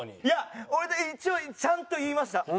いや俺一応ちゃんと言いました。